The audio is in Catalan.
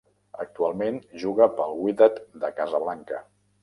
Actualment juga pel Wydad de Casablanca.